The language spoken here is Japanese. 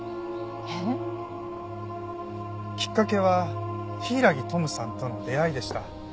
えっ？きっかけは柊登夢さんとの出会いでした。